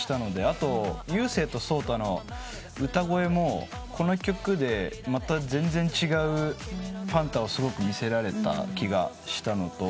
あと勇征と颯太の歌声もこの曲でまた全然違うファンタをすごく見せられた気がしたのと。